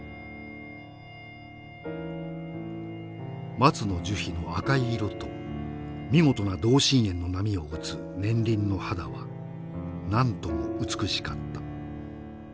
「松の樹皮の赤い色と見事な同心円の波を打つ年輪の肌はなんとも美しかった。